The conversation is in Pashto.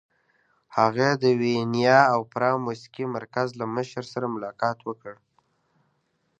هغې د ویانا د اوپرا موسیقۍ مرکز له مشر سره ملاقات وکړ